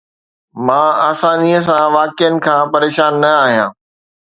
مان آساني سان واقعن کان پريشان نه آهيان